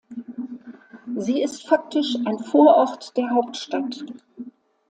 Sie ist faktisch ein Vorort der Hauptstadt.